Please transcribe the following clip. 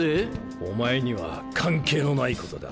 お前には関係のないことだ。